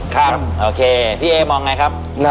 ครับโอเคพี่เอมองไงครับ